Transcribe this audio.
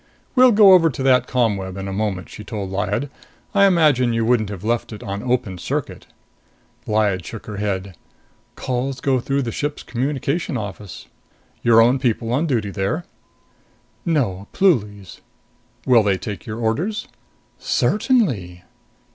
"We'll go over to that ComWeb in a moment," she told Lyad. "I imagine you wouldn't have left it on open circuit?" Lyad shook her head. "Calls go through the ship's communication office." "Your own people on duty there?" "No. Pluly's." "Will they take your orders?" "Certainly!"